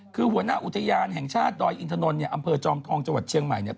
คือหัวหน้าอุทยานแห่งชาติดอยอินทนนท์เนี่ยอำเภอจอมทองจังหวัดเชียงใหม่เนี่ย